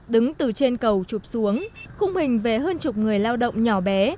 đứng từ trên cầu chụp xuống khung mình về hơn chục người lao động nhỏ bé